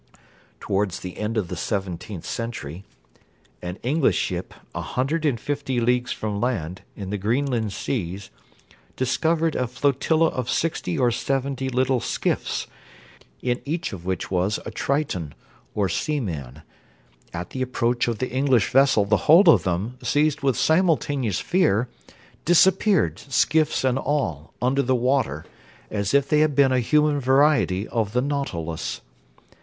Towards the end of the seventeenth century, an English ship, a hundred and fifty leagues from land, in the Greenland seas, discovered a flotilla of sixty or seventy little skiffs, in each of which was a triton, or sea man: at the approach of the English vessel the whole of them, seized with simultaneous fear, disappeared, skiffs and all, under the water, as if they had been a human variety of the nautilus.